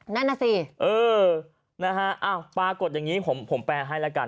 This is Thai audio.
นั่นน่ะสิเออนะฮะอ้าวปรากฏอย่างนี้ผมแปลให้แล้วกัน